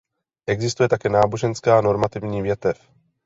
Existuje také náboženská normativní větev.